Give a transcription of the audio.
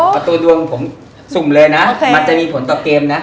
ประตูดวงผมสุ่มเลยนะมันจะมีผลต่อเกมนะ